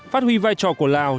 phát huy vai trò của lào